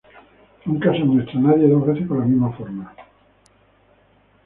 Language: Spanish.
Nunca se muestra a nadie dos veces con la misma forma.